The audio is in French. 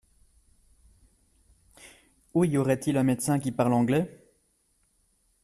Où y aurait-il un médecin qui parle anglais ?